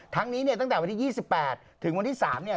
ทั้งนี้ตั้งแต่วันที่๒๘ถึงวันที่๓